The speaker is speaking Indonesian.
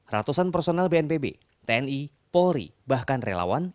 ratusan personel bnpb tni polri bahkan relawan